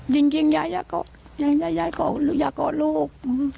จริงอยากกอดลูก